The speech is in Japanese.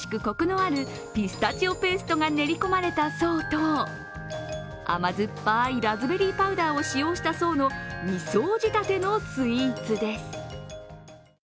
コクのあるピスタチオペーストが練り込まれた層と甘酸っぱいラズベリーパウダーを使用した層の２層仕立てのスイーツです。